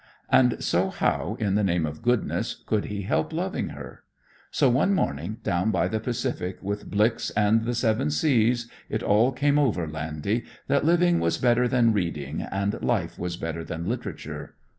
And so how, in the name of goodness, could he help loving her? So one morning down by the Pacific, with "Blix" and "The Seven Seas," it all came over "Landy," that "living was better than reading and life was better than literature."